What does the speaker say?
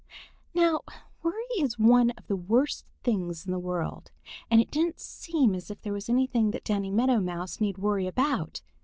Now worry is one of the worst things in the world, and it didn't seem as if there was anything that Danny Meadow Mouse need worry about.